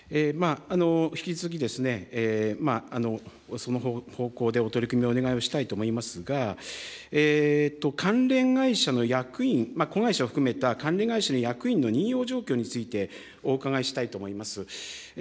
引き続き、その方向でお取り組みをお願いをしたいと思いますが、関連会社の役員、子会社を含めた関連会社の役員の任用状況について、お伺いしたいと思います。